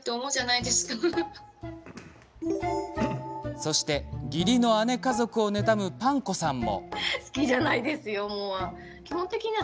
そして、義理の姉家族を妬むぱんこさんも。